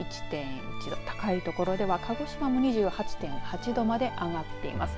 高い所では鹿児島も２８．８度まで上がっています。